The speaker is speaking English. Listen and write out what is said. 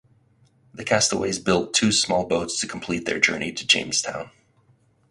The castaways built two small boats to complete their journey to Jamestown.